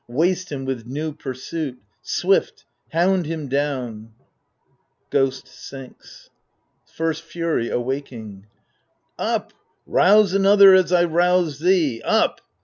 Waste him with new pursuit — swift, hound him down! [Ghost sinks. First Fury (awaking) Up ! rouse another as I rouse thee ; up